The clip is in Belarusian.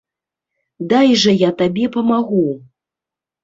Дай жа я табе памагу.